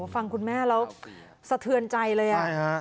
ฟังคุณแม่เราสะเทือนใจเลยได้ครับ